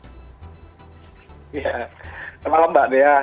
selamat malam mbak dea